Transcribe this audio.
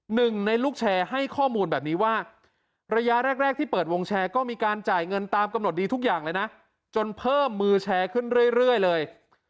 หนึ่งในลูกแชร์ให้ข้อมูลแบบนี้ว่าระยะแรกที่เปิดวงแชร์ก็มีการจ่ายเงินตามกำหนดดีทุกอย่างเลยนะจนเพิ่มมือแชร์ขึ้นเรื่อยเลย